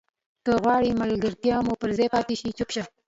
که غواړې ملګرتیا مو پر ځای پاتې شي چوپ شه.